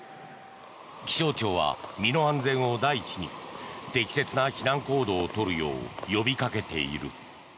気象庁は身の安全を第一に適切な避難行動を取るよう呼びかけている。